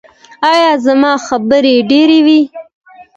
ایا زما خبرې ډیرې وې؟